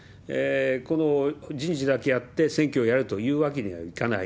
この人事だけやって、選挙をやるというわけにはいかない。